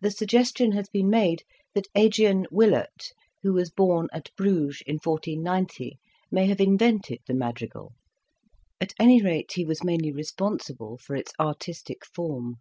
The suggestion has been made that Adrien Willaert, who was born at Bruges in 1490, may have invented the madrigal, at any rate he was mainly responsible for its artistic form.